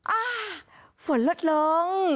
อ่าฝนลดลง